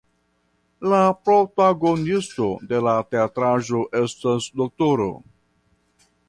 La protagonisto de la teatraĵo estas Dro.